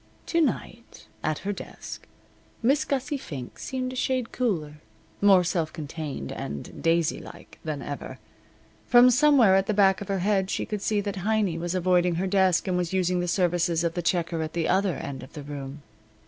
To night at her desk Miss Gussie Fink seemed a shade cooler, more self contained, and daisylike than ever. From somewhere at the back of her head she could see that Heiny was avoiding her desk and was using the services of the checker at the other end of the room.